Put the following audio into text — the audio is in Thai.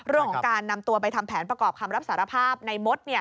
เรื่องของการนำตัวไปทำแผนประกอบคำรับสารภาพในมด